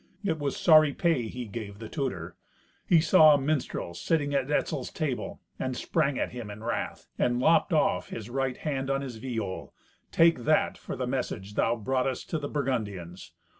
It was sorry pay he gave the tutor. He saw a minstrel sitting at Etzel's table, and sprang at him in wrath, and lopped off his right hand on his viol: "Take that for the message thou broughtest to the Burgundians."